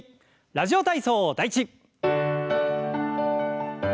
「ラジオ体操第１」。